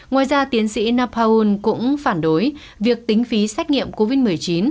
ngoài ra tiến sĩ napaoul cũng phản đối việc tính phí xét nghiệm covid một mươi chín